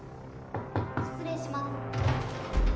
失礼します。